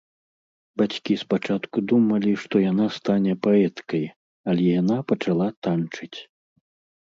Бацькі спачатку думалі, што яна стане паэткай, але яна пачала танчыць.